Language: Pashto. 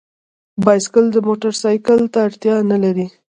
بایسکل موټرسایکل ته اړتیا نه لري.